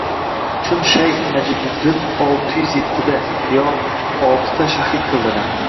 Chun shayx Majduddinni olti yuz yettida, yo oltida shahid qildilar»